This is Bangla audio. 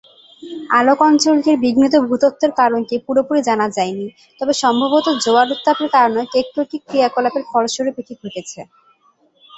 আলোক অঞ্চলটির বিঘ্নিত ভূতত্ত্বের কারণটি পুরোপুরি জানা যায়নি, তবে সম্ভবত জোয়ার উত্তাপের কারণে টেকটোনিক ক্রিয়াকলাপের ফলস্বরূপ এটি ঘটেছে।